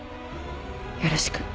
よろしく。